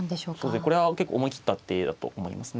これは結構思い切った手だと思いますね。